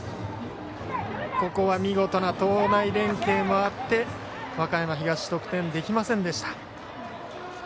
ここは見事な投内連携もあって和歌山東、得点できませんでした。